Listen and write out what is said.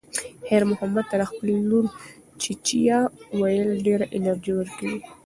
خیر محمد ته د خپلې لور "چیچیه" ویل ډېره انرژي ورکوي.